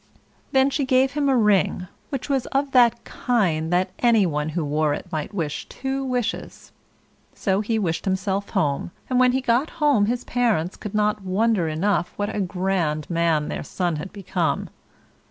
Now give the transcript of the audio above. Then she gave him a ring, which was of that kind that any one who wore it might wish two wishes. So he wished himself home, and when he got home his parents could not wonder enough what a grand man their son had become.